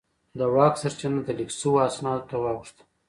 د واک سرچینه د لیک شوو اسنادو ته واوښته.